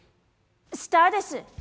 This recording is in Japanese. スターです。